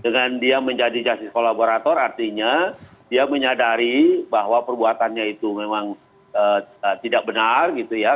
dengan dia menjadi justice kolaborator artinya dia menyadari bahwa perbuatannya itu memang tidak benar gitu ya